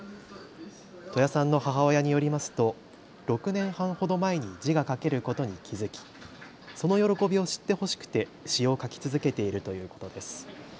戸谷さんの母親によりますと、６年半ほど前に字が書けることに気付き、その喜びを知ってほしくて詩を書き続けているということです。